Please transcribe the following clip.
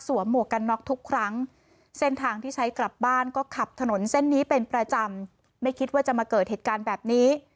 หมวกกันน็อกทุกครั้งเส้นทางที่ใช้กลับบ้านก็ขับถนนเส้นนี้เป็นประจำไม่คิดว่าจะมาเกิดเหตุการณ์แบบนี้